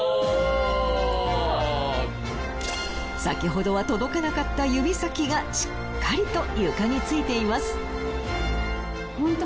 先ほどは届かなかった指先がしっかりと床についています。